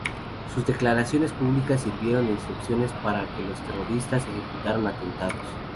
Sus declaraciones públicas sirvieron de instrucciones para que los terroristas ejecutaran atentados.